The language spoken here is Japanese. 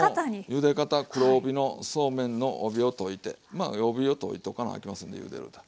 ゆで方黒帯のそうめんの帯を解いてまあ帯を解いとかなあきませんねゆでると。